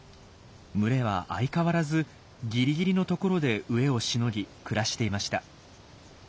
群れは相変わらずギリギリのところで飢えをしのぎ暮らしていました。